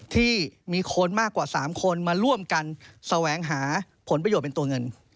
ที่มีคนมากกว่า๓คนมาร่วมกันแสวงหาผลประโยชน์เป็นตัวเงิน